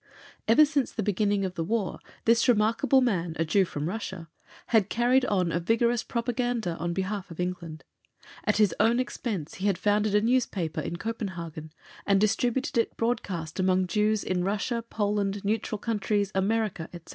Ever since the beginning of the War this remarkable man, a Jew from Russia, had carried on a vigorous propaganda on behalf of England. At his own expense, he had founded a newspaper in Copenhagen, and distributed it broadcast among Jews in Russia, Poland, neutral countries, America, etc.